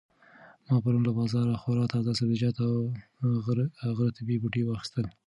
ما پرون له بازاره خورا تازه سبزیجات او د غره طبیعي بوټي واخیستل.